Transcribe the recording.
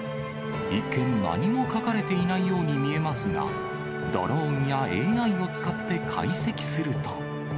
一見、何も描かれていないように見えますが、ドローンやＡＩを使って解析すると。